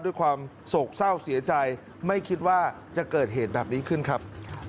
ด้วยความโศกเศร้าเสียใจไม่คิดว่าจะเกิดเหตุแบบนี้ขึ้นครับ